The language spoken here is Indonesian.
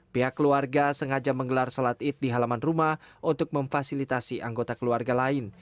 pihak keluarga sengaja menggelar sholat id di halaman rumah untuk memfasilitasi anggota keluarga lain